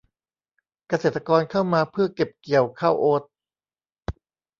เกษตรกรเข้ามาเพื่อเก็บเกี่ยวข้าวโอ้ต